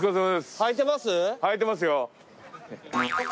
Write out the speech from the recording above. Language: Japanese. ・はいてますよ。